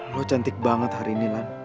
lo cantik banget hari ini lah